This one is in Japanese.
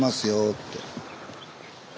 って。